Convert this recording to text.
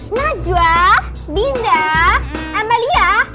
najwa dinda amelia